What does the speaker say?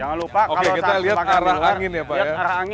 jangan lupa kalau kita lihat arah angin ya pak